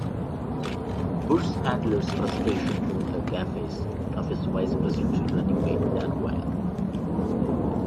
Bush's handlers' frustration over the gaffes of his vice presidential running-mate Dan Quayle.